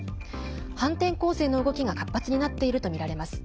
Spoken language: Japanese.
反転攻勢の動きが活発になっているとみられます。